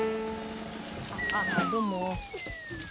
あっどうも。